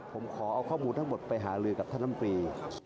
ผมขอเอาข้อมูลทั้งหมดไปหาลือกับท่านลำตรี